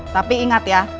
tapi ingat ya